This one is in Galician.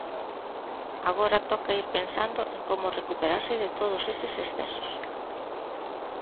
Agora toca ir pensando en como recuperarse de todos eses excesos.